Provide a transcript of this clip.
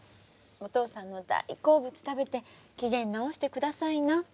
お父さんの大好物食べて機嫌直して下さいな。